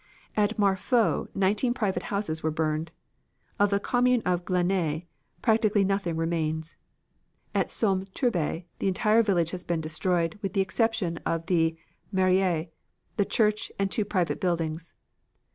"At Marfaux nineteen private houses were burned. Of the Commune of Glannes practically nothing remains. At Somme Tourbe the entire village has been destroyed, with the exception of the Mairie, the church and two private buildings.